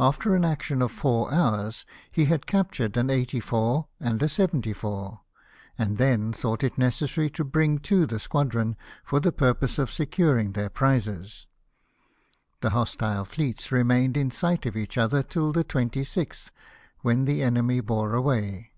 After an ,action of four hours he had captured an 84 and a 74, and then thought it neces sary to bring to the squadron, for the purpose of securing their prizes. The hostile fleets remained in sight of each other till the 26th, when the enemy bore away.